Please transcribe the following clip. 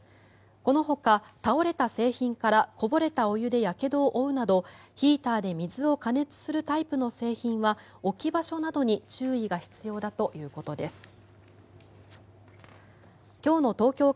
このほか、倒れた製品からこぼれたお湯でやけどを負うなどヒーターで水を加熱するタイプの製品は置き場所などに注意が必要ということです。